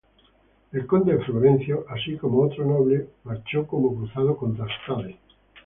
El conde Florencio, así como otros nobles, marchó como cruzado contra Stade.